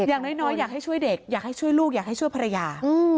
อย่างน้อยอยากให้ช่วยเด็กอยากให้ช่วยลูกอยากให้ช่วยภรรยา